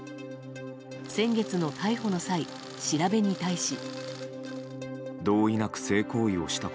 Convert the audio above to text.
先月の逮捕の際調べに対し。